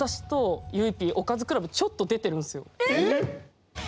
えっ？